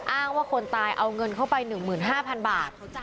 อ้างว่าคนตายเอาเงินเข้าไป๑๕๐๐๐บาท